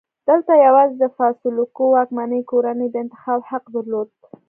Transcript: دلته یوازې د فاسولوکو واکمنې کورنۍ د انتخاب حق درلود.